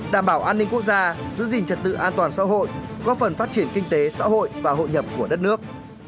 đảm bảo an ninh quốc gia giữ gìn trật tự an toàn xã hội góp phần phát triển kinh tế xã hội và hội nhập của đất nước